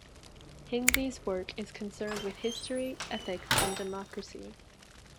Hinsey's work is concerned with history, ethics and democracy.